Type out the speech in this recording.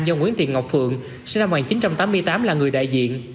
do nguyễn tiền ngọc phượng sinh năm một nghìn chín trăm tám mươi tám là người đại diện